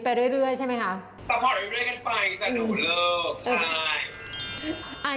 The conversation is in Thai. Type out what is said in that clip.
ไปเรื่อยใช่ไหมคะ